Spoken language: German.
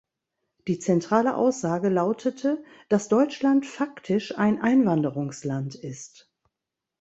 Die zentrale Aussage lautete, dass Deutschland faktisch ein Einwanderungsland ist.